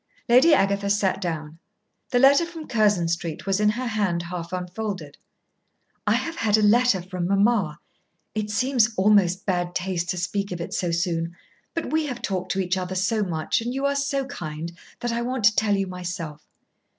Lady Agatha sat down. The letter from Curzon Street was in her hand half unfolded. "I have had a letter from mamma. It seems almost bad taste to speak of it so soon, but we have talked to each other so much, and you are so kind, that I want to tell you myself.